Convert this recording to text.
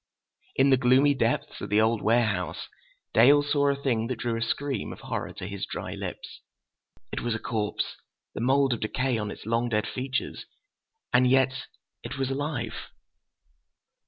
In the gloomy depths of the old warehouse Dale saw a thing that drew a scream of horror to his dry lips. It was a corpse—the mold of decay on its long dead features—and yet it was alive!